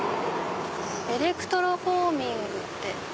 エレクトロフォーミングって。